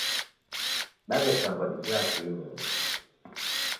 Dawetambwa dijaa kii nyuma